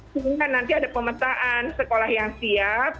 sehingga nanti ada pemetaan sekolah yang siap